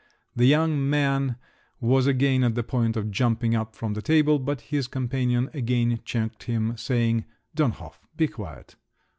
The young man was again on the point of jumping up from the table, but his companion again checked him, saying, "Dönhof, be quiet!